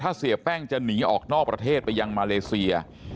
ถ้าเสียแป้งจะหนีออกนอกประเทศไปยังมาเลเซีย